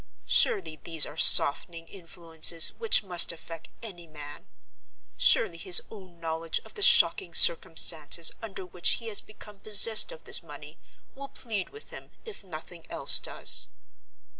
Surely, these are softening influences which must affect any man? Surely, his own knowledge of the shocking circumstances under which he has become possessed of this money will plead with him, if nothing else does?"